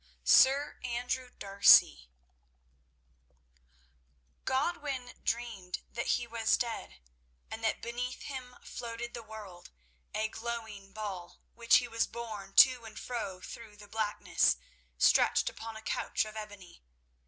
Sir Andrew D'Arcy Godwin dreamed that he was dead, and that beneath him floated the world, a glowing ball, while he was borne to and fro through the blackness, stretched upon a couch of ebony.